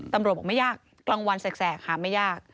ตำรวจบอกไม่ยากกลางวันแสกหาไม่ยาก